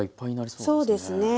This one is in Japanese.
そうですね。